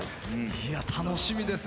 いや楽しみですね。